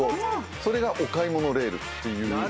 それがお買い物レールっていう。